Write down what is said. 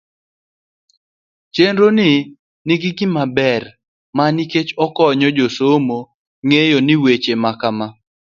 chenro ni ni gi ber ne nikech okonyo jasomo ng'eyo ni weche makama